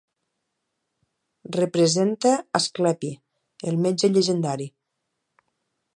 Representa Asclepi, el metge llegendari.